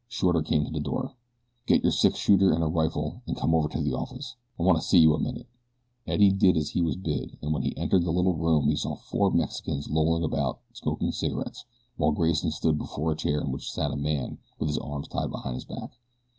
Shorter came to the door. "Get your six shooter an' a rifle, an' come on over to the office. I want to see you a minute." Eddie did as he was bid, and when he entered the little room he saw four Mexicans lolling about smoking cigarettes while Grayson stood before a chair in which sat a man with his arms tied behind his back.